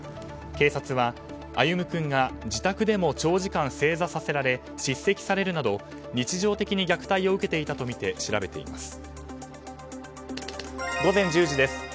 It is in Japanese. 警察は歩夢君が自宅でも長時間正座させられ叱責されるなど日常的に虐待を受けていたとみて調べています。